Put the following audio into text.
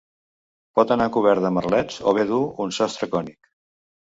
Pot anar cobert de merlets o bé dur un sostre cònic.